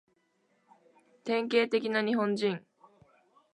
典型的な日本人